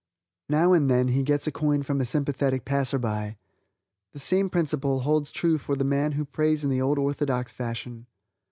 Now and then he gets a coin from a sympathetic passer by. The same principle holds true for the man who prays in the old orthodox fashion.